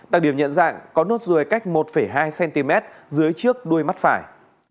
đặc điểm nhận dạng có nốt ruồi cách một hai cm dưới trước đuôi mắt phải